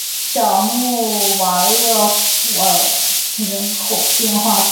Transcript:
小穆瓦厄夫尔人口变化图示